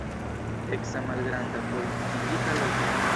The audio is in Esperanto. Eksa malgranda fortikigita loko.